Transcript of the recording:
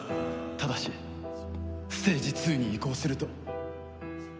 ただしステージ２に移行すると。